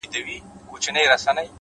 هره ورځ نوی امکان لري؛